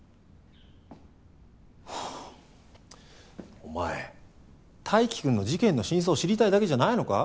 はぁちっお前泰生君の事件の真相知りたいだけじゃないのか？